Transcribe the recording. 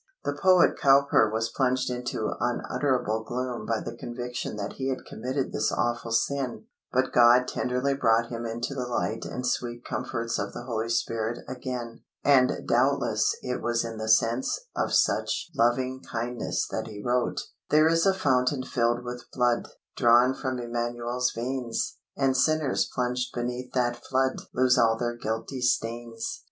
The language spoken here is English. The poet Cowper was plunged into unutterable gloom by the conviction that he had committed this awful sin; but God tenderly brought him into the light and sweet comforts of the Holy Spirit again, and doubtless it was in the sense of such lovingkindness that he wrote: "There is a fountain filled with blood, Drawn from Emanuel's veins; And sinners plunged beneath that flood Lose all their guilty stains."